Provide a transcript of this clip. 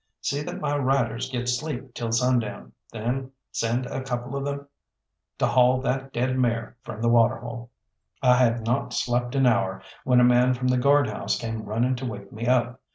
See that my riders get sleep till sundown, then send a couple of them to haul that dead mare from the water hole." I had not slept an hour when a man from the guard house came running to wake me up.